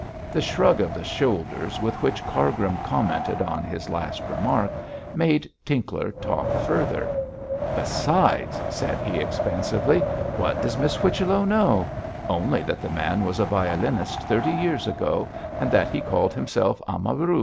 The shrug of the shoulders with which Cargrim commented on his last remark made Tinkler talk further. 'Besides!' said he, expansively, 'what does Miss Whichello know? Only that the man was a violinist thirty years ago, and that he called himself Amaru.